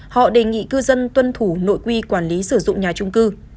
họ đề nghị cư dân tuân thủ nội quy quản lý sử dụng nhà trung cư